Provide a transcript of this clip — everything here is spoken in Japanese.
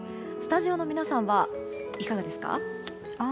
スタジオの皆さんはいかがですか。